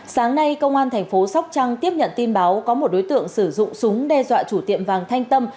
sáng nay công an thành phố sóc trăng tiếp nhận tin báo có một đối tượng sử dụng súng đe dọa chủ tiệm vàng thanh tâm